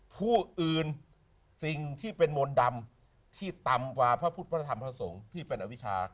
ผู้อื่นสิ่งที่เป็นมนต์ดำที่ต่ำกว่าพระพุทธพระธรรมพระสงฆ์ที่เป็นอวิชา